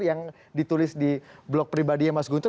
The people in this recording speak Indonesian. yang ditulis di blog pribadinya mas guntur